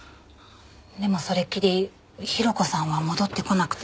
でもそれっきり広子さんは戻ってこなくて。